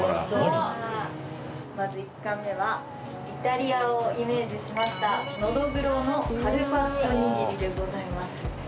まず１貫目はイタリアをイメージしましたのどぐろのカルパッチョにぎりでございます。